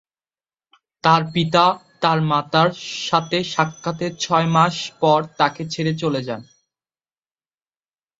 তার পিতা তার মাতার সাথে সাক্ষাতের ছয়মাস পর তাকে ছেড়ে চলে যান।